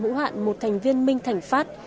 hữu hạn một thành viên minh thành phát